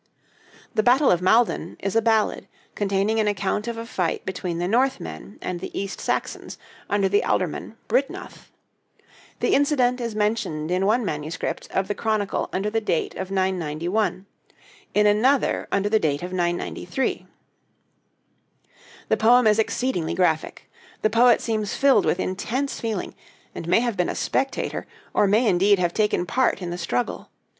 'The Battle of Maldon' is a ballad, containing an account of a fight between the Northmen and the East Saxons under the Aldorman, Byrhtnoth. The incident is mentioned in one MS. of the Chronicle under the date of 991; in another, under the date of 993. The poem is exceedingly graphic. The poet seems filled with intense feeling, and may have been a spectator, or may indeed have taken part in the struggle.